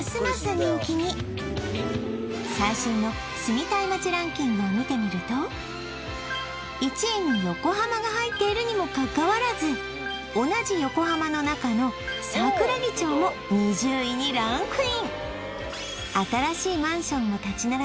人気に最新の住みたい街ランキングを見てみると１位に横浜が入っているにもかかわらず同じ横浜のなかの桜木町も２０位にランクイン新しいマンションも立ち並び